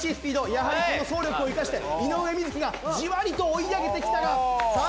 やはりこの走力を生かして井上瑞稀がじわりと追い上げてきたがさあ